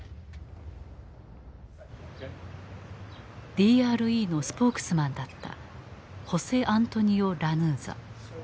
ＤＲＥのスポークスマンだったホセ・アントニオ・ラヌーザ。